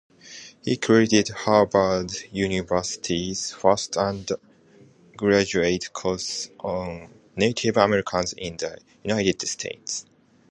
He created Harvard University's first undergraduate course on Native Americans in the United States.